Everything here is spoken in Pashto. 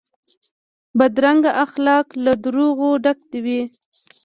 بدرنګه اخلاق له دروغو ډک وي